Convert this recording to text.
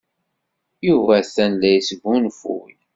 Yuba atan la yesgunfuy.